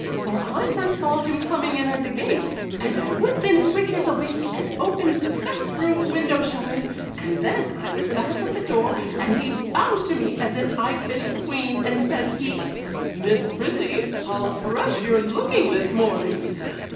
for I first saw him coming in at the gate, and I whipped in quick as a wink and opened the best room window shutters, and then I was back at the door, and he bowed to me as if I'd been a queen, and says he, "Miss Prissy, how fresh you're looking this morning!"